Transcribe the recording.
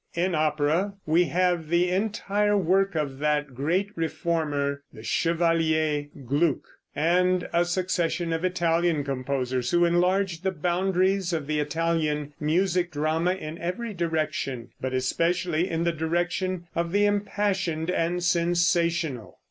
In opera we have the entire work of that great reformer, the Chevalier Gluck, and a succession of Italian composers who enlarged the boundaries of the Italian music drama in every direction, but especially in the direction of the impassioned and sensational.